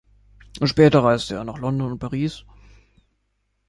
Später reiste er nach London und Paris.